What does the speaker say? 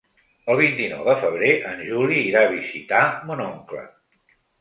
El vint-i-nou de febrer en Juli irà a visitar mon oncle.